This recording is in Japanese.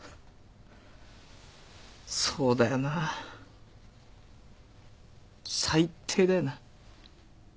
そうだよな最低だよな。